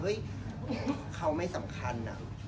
เอ๊ะเขาไม่สำคัญ